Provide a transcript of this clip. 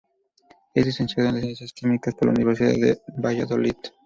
Es licenciado en Ciencias Químicas por la Universidad de Valladolid.